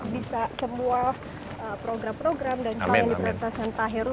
bisa semua program program dan hal yang diperintahkan pak heru